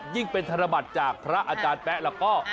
ยิ่งเป็นธนบัตรจากพระอาจารย์แป๊ะแล้วก็